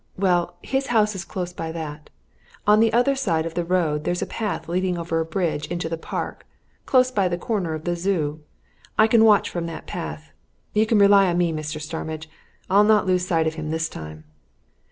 Well, his house is close by that. On the other side of the road there's a little path leading over a bridge into the Park close by the corner of the Zoo I can watch from that path. You can rely on me, Mr. Starmidge. I'll not lose sight of him this time."